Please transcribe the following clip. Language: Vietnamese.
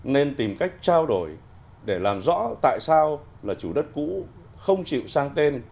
nên tìm cách trao đổi để làm rõ tại sao là chủ đất cũ không chịu sang tên